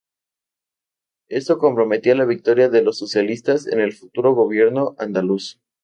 Esto comprometía la victoria de los socialistas en el futuro gobierno andaluz.